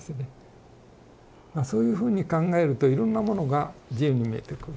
そういうふうに考えるといろんなものが自由に見えてくる。